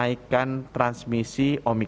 kita harus mencari yang lebih tinggi dari delta